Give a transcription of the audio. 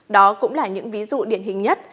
đó cũng là những ví dụ điển hình nhất